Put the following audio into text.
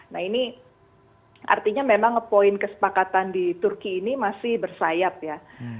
nah ini artinya memang poin kesepakatan di turki ini masih bersayap ya